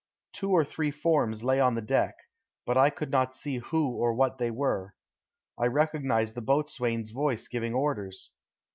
Two or three forms lay on the deck, but I could not see who or what they were. I recognized the boatswain's voice giving orders.